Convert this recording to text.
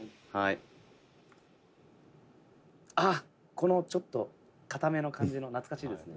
「このちょっと硬めの感じの懐かしいですね。